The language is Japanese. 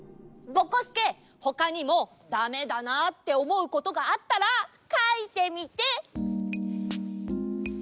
ぼこすけほかにもだめだなっておもうことがあったらかいてみて！